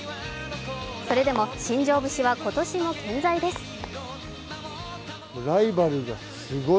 それでも新庄節は今年も健在です。